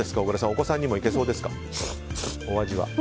お子さんにもいけそうですか？